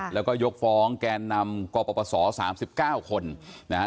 แล้วก็ยกฟองแกนนำกรประสอบสามสิบเก้าคนนะฮะ